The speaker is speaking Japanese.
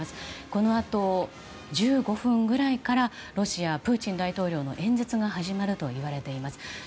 このあと１５分くらいからロシア、プーチン大統領の演説が始まるといわれています。